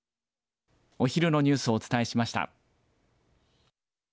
お昼のニュースをお伝えしました。